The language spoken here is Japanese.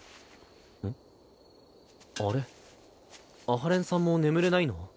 阿波連さんも眠れないの？